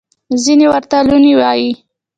ځینې ورته لوني وايي.